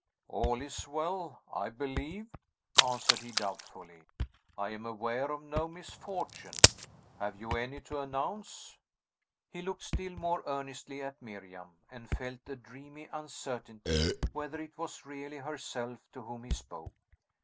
"All is well, I believe," answered he doubtfully. "I am aware of no misfortune. Have you any to announce'?" He looked still more earnestly at Miriam, and felt a dreamy uncertainty whether it was really herself to whom he spoke.